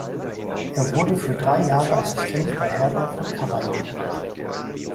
Er wurde für drei Jahre Assistent bei Herbert von Karajan.